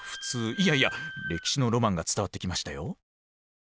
いやいや歴史のロマンが伝わってきましたよ。